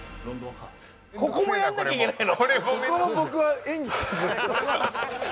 ここもやらなきゃいけないの？